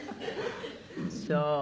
そう。